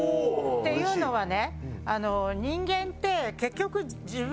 っていうのはね。